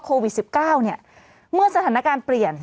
โควิด๑๙เมื่อสถานการณ์เปลี่ยน